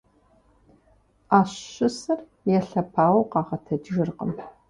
Ӏэщ щысыр елъэпауэу къагъэтэджыркъым.